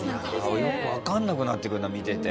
よくわかんなくなってくるな見てて。